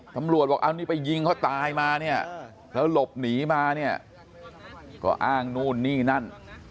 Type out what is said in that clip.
บอกเอานี่ไปยิงเขาตายมาเนี่ยแล้วหลบหนีมาเนี่ยก็อ้างนู่นนี่นั่น